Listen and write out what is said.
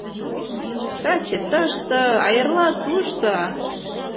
Таче тыште, а эрла тушто!